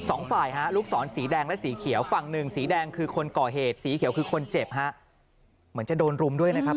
โอ้โหทั้งฟันทั้งแทงนะ